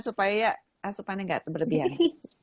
supaya asupannya tidak terlalu